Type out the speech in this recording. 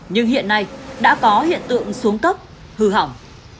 nhưng hiện nay đã có hiện tượng xuống cấp hư hỏng